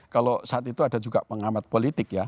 kalau saat itu ada juga pengamat politik ya